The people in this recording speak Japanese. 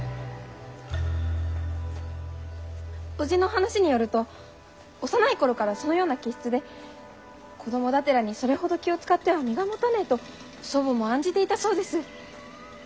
おじの話によると幼い頃からそのような気質で子供だてらにそれほど気を遣っては身がもたねぇと祖母も案じていたそうです。